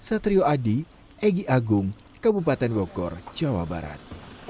egy agung kabupaten bogor jawa barat